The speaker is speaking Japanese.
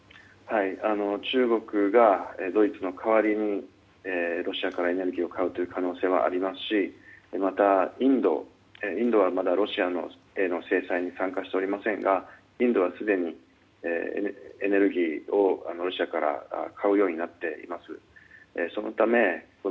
中国がドイツの代わりにロシアからエネルギーを買う可能性はありますしまた、インドはロシアへの制裁に参加しておりませんがインドは、すでにエネルギーをロシアから買うようになっています。